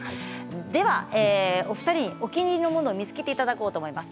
では、お二人にお気に入りのものを見つけていただこうと思います。